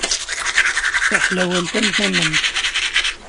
D taḥlawant am tamemt.